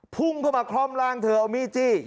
พุ่งเข้ามาคล่อมร่างเธอเอามีดจี้